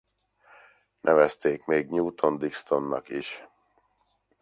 Nevezték még Newton-Dixtonnak is.